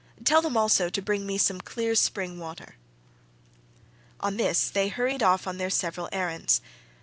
Tell them also to bring me some clear spring water." On this they hurried off on their several errands.